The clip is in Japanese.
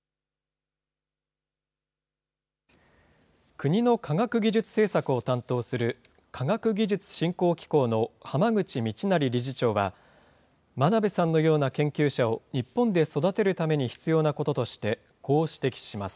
国の科学技術政策を担当する、科学技術振興機構の濱口道成理事長は、真鍋さんのような研究者を日本で育てるために必要なこととして、こう指摘します。